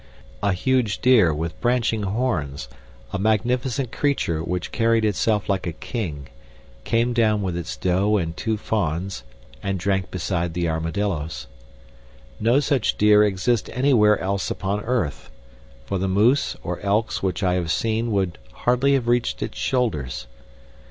A huge deer, with branching horns, a magnificent creature which carried itself like a king, came down with its doe and two fawns and drank beside the armadillos. No such deer exist anywhere else upon earth, for the moose or elks which I have seen would hardly have reached its shoulders.